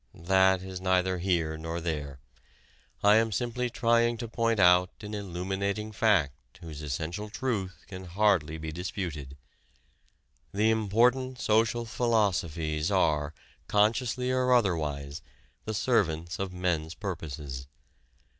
That is neither here nor there. I am simply trying to point out an illuminating fact whose essential truth can hardly be disputed. The important social philosophies are consciously or otherwise the servants of men's purposes.